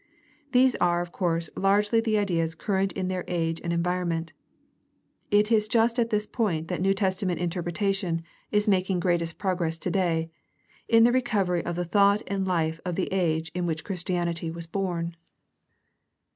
These are of course largely the ideas current in their age and environ ment. It is just at this point that New Testament interpre tation is making greatest progress today, in the recovery of the thought and life of the age in which Christianity was born.